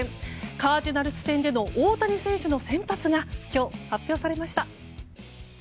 カージナルス戦での大谷選手の先発が今日、発表されました。